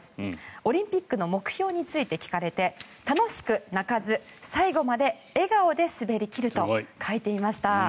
オリンピックの目標について聞かれて楽しく泣かず最後まで笑顔で滑り切ると書いていました。